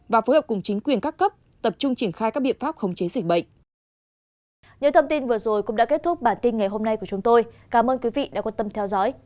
và phối hợp cùng chính quyền các cấp tập trung triển khai các biện pháp khống chế dịch bệnh